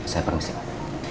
saya permisi pak